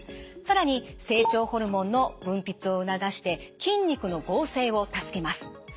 更に成長ホルモンの分泌を促して筋肉の合成を助けます。